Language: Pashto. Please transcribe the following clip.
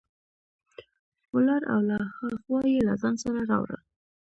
ولاړ او له ها خوا یې له ځان سره راوړل.